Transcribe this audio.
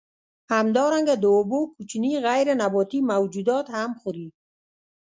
همدارنګه د اوبو کوچني غیر نباتي موجودات هم خوري.